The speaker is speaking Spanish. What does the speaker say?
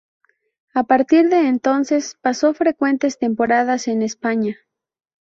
A partir de entonces pasó frecuentes temporadas en España.